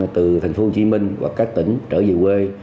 từ tp hcm hoặc các tỉnh trở về quê